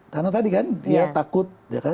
karena tadi kan dia takut